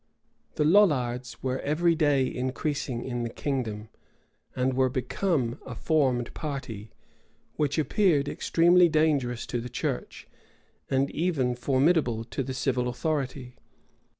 The Lollards were every day increasing in the kingdom, and were become a formed party, which appeared extremely dangerous to the church, and even formidable to the civil authority.